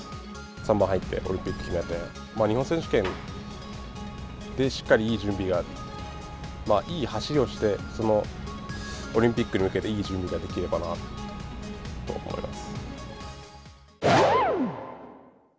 ３番入ってオリンピックを決めて、日本選手権でしっかりいい準備が、いい走りをして、そのオリンピックに向けていい準備ができればなと思います。